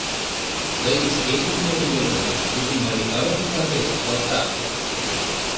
Тый шке тукыметым веле мо, пӱтынь марий калыкым каргет, калтак!